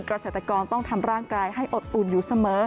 เกษตรกรต้องทำร่างกายให้อดอุ่นอยู่เสมอ